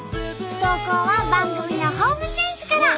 投稿は番組のホームページから。